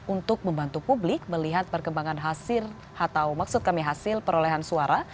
untuk membantu publik melihat perkembangan hasil atau maksud kami hasil perolehan suara